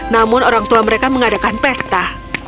namun orang tua mereka mengadakan pesta